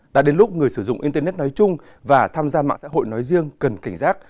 đã đến lúc người sử dụng internet nói chung và tham gia mạng xã hội nói riêng cần cảnh giác